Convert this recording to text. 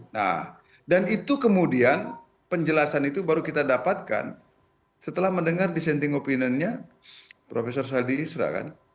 nah dan itu kemudian penjelasan itu baru kita dapatkan setelah mendengar dissenting opinionnya profesor saldi isra kan